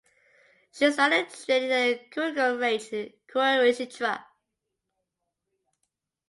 She started training at the Gurukul range in Kurukshetra.